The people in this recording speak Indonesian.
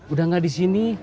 udah gak di sini